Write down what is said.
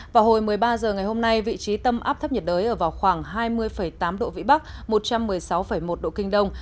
vào hồi một mươi ba h ngày hôm nay vị trí tâm áp thấp nhiệt đới ở vào khoảng hai mươi tám độ vĩ bắc một trăm một mươi sáu một độ kinh đông